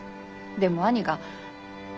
でも兄が。